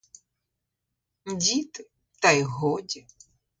Діти, та й годі.